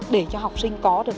để cho học sinh có được